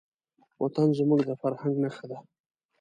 وطن زموږ د فرهنګ نښه ده.